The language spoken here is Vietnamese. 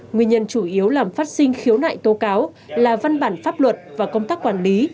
nguyên nhân chủ yếu làm phát sinh khiếu nại tố cáo là văn bản pháp luật và công tác quản lý